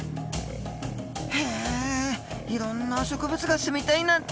へえいろんな植物が住みたいなんて